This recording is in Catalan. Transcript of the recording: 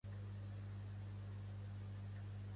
Swindell va assistir a la Universitat de Texas a Austin.